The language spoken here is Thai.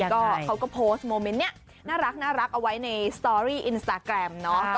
ก็เขาก็โพสต์โมเมนต์แน่น่ารักน่ารักเอาไว้ในสตอรี่อินสตาแรม